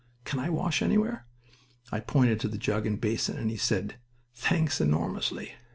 "Can I wash anywhere?" I pointed to a jug and basin, and he said, "Thanks, enormously."